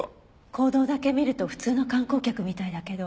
行動だけ見ると普通の観光客みたいだけど。